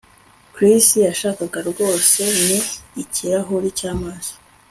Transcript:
Chris yashakaga rwose ni ikirahuri cyamazi